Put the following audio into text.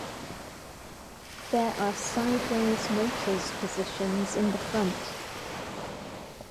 There are sideways motors positions in the front.